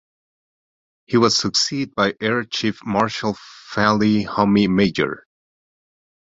He was succeed by Air Chief Marshal Fali Homi Major.